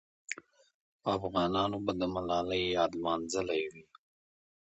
افغانانو به د ملالۍ یاد لمانځلی وي.